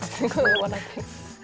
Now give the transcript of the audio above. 笑ってる。